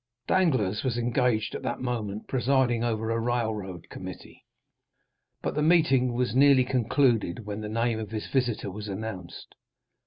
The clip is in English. Danglars was engaged at that moment, presiding over a railroad committee. But the meeting was nearly concluded when the name of his visitor was announced.